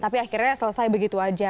tapi akhirnya selesai begitu aja